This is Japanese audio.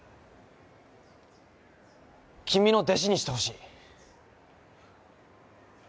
君の弟子にしてほしい。